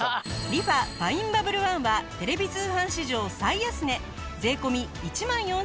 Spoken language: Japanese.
リファファインバブルワンはテレビ通販史上最安値税込１万４４８０円。